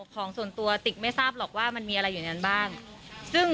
ของส่วนตัวติกไม่ทราบหรอกว่ามันมีอะไรอยู่ในนั้นบ้างซึ่ง